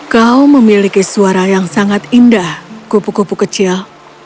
kau memiliki suara yang sangat indah kupu kupu kecil